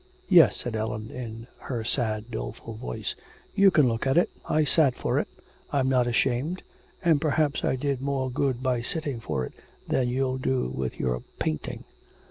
'Yes,' said Ellen in her sad doleful voice, 'You can look at it. I sat for it. I'm not ashamed, and perhaps I did more good by sitting for it than you'll do with your painting....